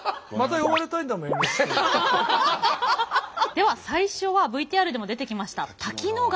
では最初はＶＴＲでも出てきました滝野川。